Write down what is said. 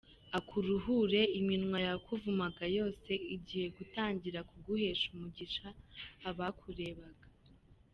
akuruhure, iminwa yakuvumaga yose, igiye gutangira kuguhesha umugisha, abakurebaga.